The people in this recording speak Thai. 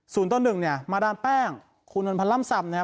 สูงตัวหนึ่งเนี่ยมาราณแป้งคุณนรพลันล่ำซำเนี่ย